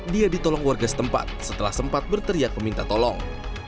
dia ditolong warga setempat setelah sempat berteriak meminta tolong